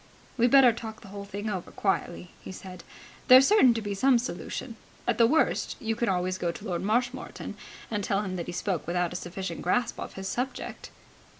"We'd better talk the whole thing over quietly," he said. "There's certain to be some solution. At the worst you can always go to Lord Marshmoreton and tell him that he spoke without a sufficient grasp of his subject."